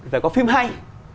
phải có phim hay